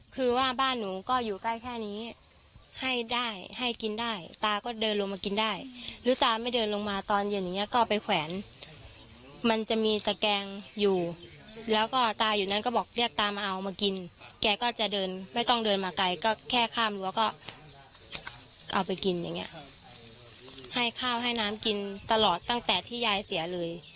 ก็แค่ข้ามรั้วก็เอาไปกินอย่างเงี้ยให้ข้าวให้น้ำกินตลอดตั้งแต่ที่ยายเสียเลย